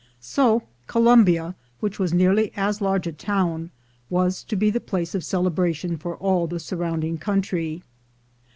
So Columbia, which was nearly as large a town, was to be the place of cele bration for all the surrounding country.